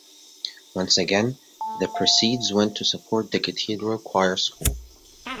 Once again, the proceeds went to support the Cathedral Choir School.